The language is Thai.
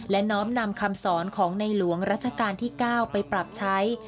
และน้อมนำคำสอนของในหลวงรัชกาลที่๙ไปปรับใช้